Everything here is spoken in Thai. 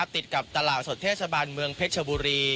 ติดกับตลาดสดเทศบาลเมืองเพชรชบุรี